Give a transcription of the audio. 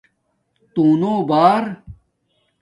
تُݸنو بار